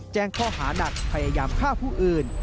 แจ้งข้อหานักพยายามฆ่าผู้อื่น